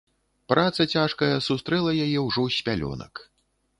Праца цяжкая сустрэла яе ўжо з пялёнак.